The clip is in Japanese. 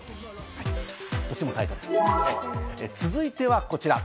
続いてはこちら。